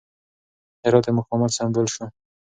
هرات د مقاومت سمبول شو.